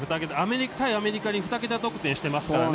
対アメリカに２桁得点してますからね。